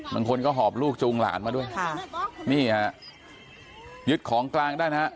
บางคนก็หอบลูกจูงหลานมาด้วยค่ะนี่ฮะยึดของกลางได้นะฮะ